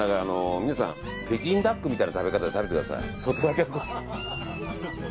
皆さん北京ダックみたいな食べ方で食べてください。